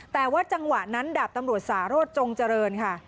แต่ว่าจังหวะนั้นดาบตำรวจสารสจงเจริญค่ะ